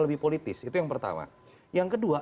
lebih politis itu yang pertama yang kedua